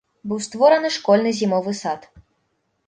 Быў створаны школьны зімовы сад.